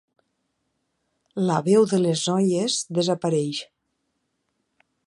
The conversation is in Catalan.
La veu de les noies desapareix.